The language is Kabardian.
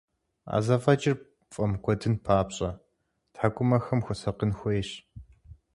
А зэфӀэкӀыр пфӀэмыкӀуэдын папщӀэ, тхьэкӀумэхэм хуэсакъын хуейщ.